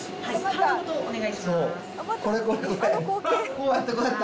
こうやった、こうやった。